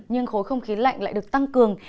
nhưng khối không khí lạnh lại được tăng cường